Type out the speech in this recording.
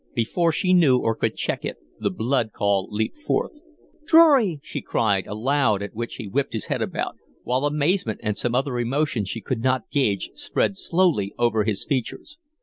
Before she knew or could check it the blood call leaped forth. "Drury!" she cried, aloud, at which he whipped his head about, while amazement and some other emotion she could not gauge spread slowly over his features.